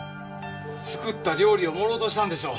作った料理を盛ろうとしたんでしょう。